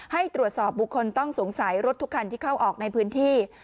ให้ตรวจสอบบุคคลต้องสงสัยรถทุกคันที่เข้าออกในพื้นที่